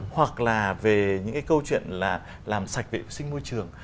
hoặc là về những cái câu chuyện là làm sạch vệ sinh môi trường